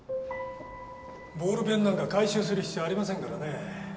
ボールペンなんか回収する必要ありませんからね。